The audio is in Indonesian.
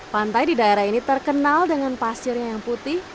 pantai di daerah ini terkenal dengan pasirnya yang putih